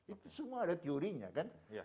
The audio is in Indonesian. itu semua ada teorinya kan